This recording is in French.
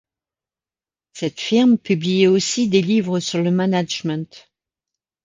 Cette firme publiait aussi des livres sur le management.